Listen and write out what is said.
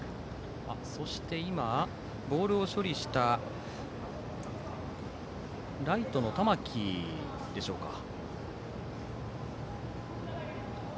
そして今、ボールを処理したライトの玉木でしょうか。